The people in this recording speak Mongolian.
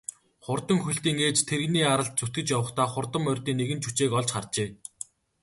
Хурдан хөлтийн ээж тэрэгний аралд зүтгэж явахдаа хурдан морьдын нэгэн жүчээг олж харжээ.